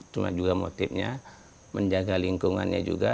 cuma juga motifnya menjaga lingkungannya juga